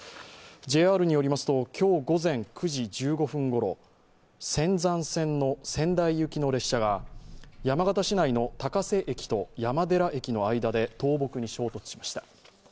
ＪＲによりますと、今日午前９時１５分ごろ、仙山線の仙台行きの列車が山形市内の高瀬駅と山寺駅の間で倒木に衝突しました。